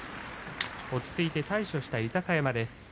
落ち着いて対処した豊山です。